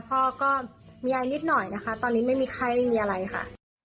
พ่อก็มีอะไรนิดหน่อยนะคะตอนนี้ไม่มีไข้ไม่มีอะไรค่ะ